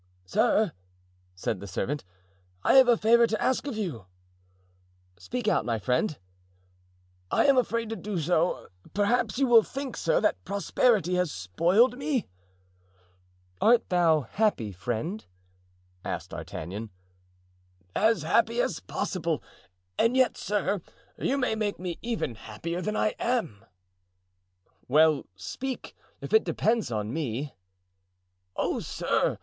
"Sir," said the servant, "I have a favour to ask you." "Speak out, my friend." "I am afraid to do so. Perhaps you will think, sir, that prosperity has spoiled me?" "Art thou happy, friend?" asked D'Artagnan. "As happy as possible; and yet, sir, you may make me even happier than I am." "Well, speak, if it depends on me." "Oh, sir!